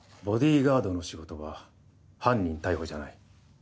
ボディーガードの仕事は犯人逮捕じゃない。